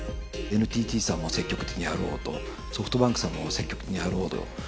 ＮＴＴさんも積極的にやろうと、ソフトバンクさんも積極的にやろうと。